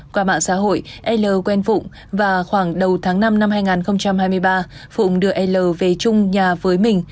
qua mạng xã hội el quen phụng và khoảng đầu tháng năm năm hai nghìn hai mươi ba phụng đưa l về chung nhà với mình